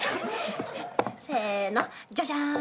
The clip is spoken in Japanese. せーのジャジャーン。